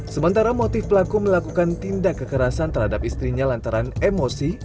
sementara motif pelaku melakukan tindak kekerasan terhadap istrinya lantaran emosi